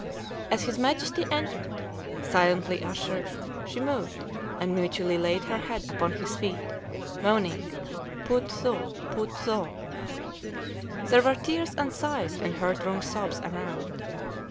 As his Majesty entered, silently ushered, she moved, and mutely laid her head upon his feet, moaning, Poot tho! Poot tho! There were tears and sighs and heart wrung sobs around.